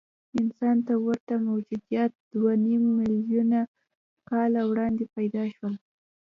انسان ته ورته موجودات دوهنیم میلیونه کاله وړاندې پیدا شول.